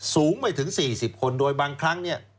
สูงไม่ถึง๔๐คนโดยบางครั้ง